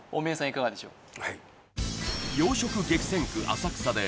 いかがでしょう